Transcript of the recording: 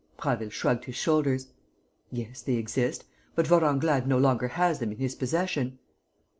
Prasville shrugged his shoulders: "Yes, they exist. But Vorenglade no longer has them in his possession."